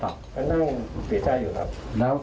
ก็นั่งเสียชายอยู่ครับ